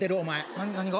何が？